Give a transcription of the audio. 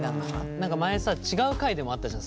前さ違う回でもあったじゃん。